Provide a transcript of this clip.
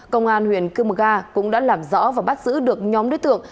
công an huyện cư mơ ga cũng đã làm rõ và bắt giữ được nhóm đối tượng